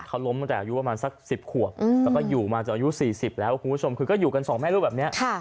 เขาล้มตั้งแต่อายุประมาณสัก๑๐ขวบแล้วก็อยู่มาจนอายุ๔๐แล้วคุณผู้ชมคือก็อยู่กันสองแม่ลูกแบบนี้